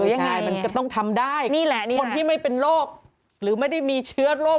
ใช่มันก็ต้องทำได้คนที่ไม่เป็นโรคหรือไม่ได้มีเชื้อโรค